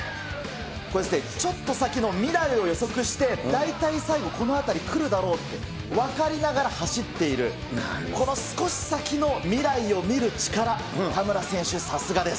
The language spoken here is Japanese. これ、ちょっと先の未来を予測して、大体最後、この辺り来るだろうって、分かりながら走っている、この少し先の未来を見る力、田村選手、さすがです。